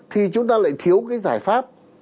thì chúng ta lại thiếu cái giải pháp